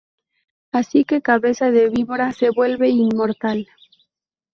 Así que Cabeza de víbora se vuelve inmortal.